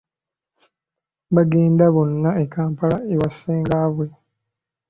Baagenda bonna e Kampala ewa ssenga bwe.